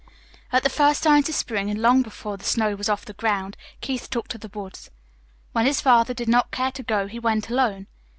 At the first signs of spring, and long before the snow was off the ground, Keith took to the woods. When his father did not care to go, he went alone.